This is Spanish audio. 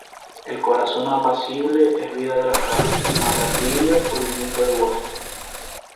El corazón apacible es vida de las carnes: Mas la envidia, pudrimiento de huesos.